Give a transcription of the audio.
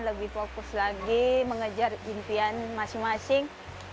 lebih fokus lagi mengejar impian masing masing